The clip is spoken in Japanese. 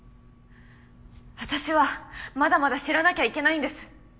私はまだまだ知らなきゃいけないんです。